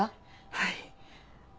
はい。